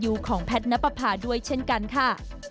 ยูของแพทนปภาพด้วยเช่นกันค่ะ